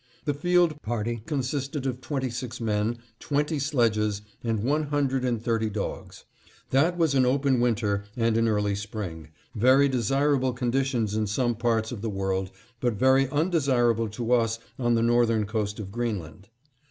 The field party consisted of twenty six men, twenty sledges, and one hundred and thirty dogs. That was an open winter and an early spring, very desirable conditions in some parts of the world, but very undesirable to us on the northern coast of Greenland.